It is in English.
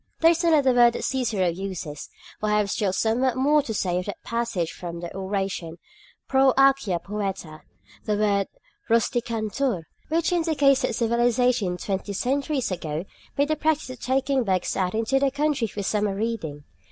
There is another word which Cicero uses for I have still somewhat more to say of that passage from the oration "pro Archia poeta" the word "rusticantur," which indicates that civilization twenty centuries ago made a practice of taking books out into the country for summer reading.